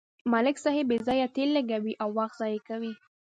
ملک صاحب بې ځایه تېل لګوي او وخت ضایع کوي.